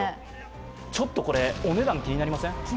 ちょっとお値段、気になりません？